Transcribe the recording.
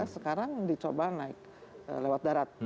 sekarang dicoba naik lewat darat